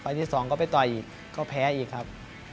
ไฟล์ที่สองก็ไปต่อยและแพ้อีกครับ